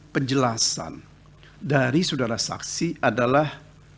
penjelasan dari saudara saksi adalah